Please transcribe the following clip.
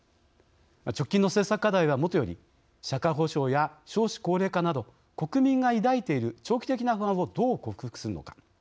直近の政策課題はもとより社会保障や少子高齢化など国民が抱いている長期的な不安をどう克服するのか。